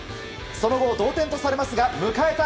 その後、同点とされますが迎えた